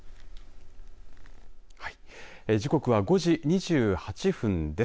はい、時刻は５時２８分です。